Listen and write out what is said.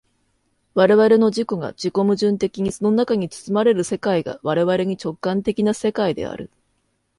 我々の自己が自己矛盾的にその中に包まれる世界が我々に直観的な世界である。